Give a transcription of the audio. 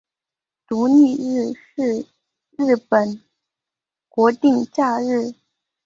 独立日是印度的国定假日。